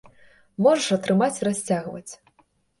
Можаш атрымаць і расцягваць.